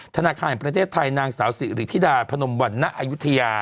ธนาคารแห่งประเทศไทยนางสาวสิริธิดาพนมวันณอายุทยา